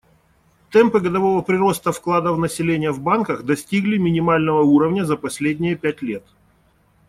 Темпы годового прироста вкладов населения в банках достигли минимального уровня за последние пять лет.